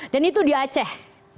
dan itu di aceh